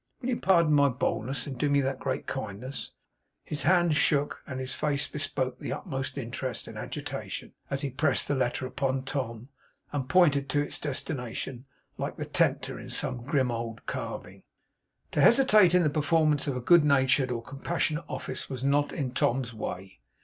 Will you pardon my boldness, and do me that great kindness?' His hands shook, and his face bespoke the utmost interest and agitation, as he pressed the letter upon Tom, and pointed to its destination, like the Tempter in some grim old carving. To hesitate in the performance of a good natured or compassionate office was not in Tom's way.